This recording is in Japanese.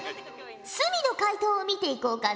角の解答を見ていこうかの？